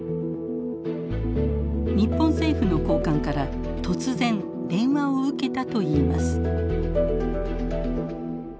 日本政府の高官から突然電話を受けたといいます。